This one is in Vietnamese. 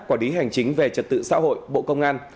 quản lý hành chính về trật tự xã hội bộ công an